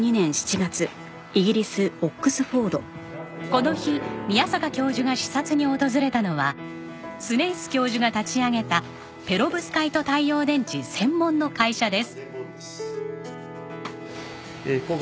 この日宮坂教授が視察に訪れたのはスネイス教授が立ち上げたペロブスカイト太陽電池専門の会社です。